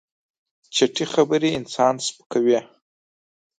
چټي خبرې انسان سپکوي.